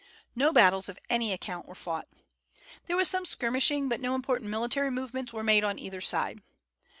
No battles of any account were fought. There was some skirmishing, but no important military movements were made on either side.